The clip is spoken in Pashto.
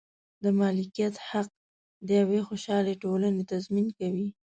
د مالکیت حق د یوې خوشحالې ټولنې تضمین کوي.